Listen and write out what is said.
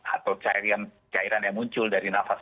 atau cairan yang muncul dari nafas